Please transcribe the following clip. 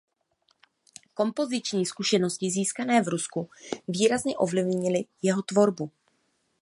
Kompoziční zkušenosti získané v Rusku výrazně ovlivnily jeho tvorbu.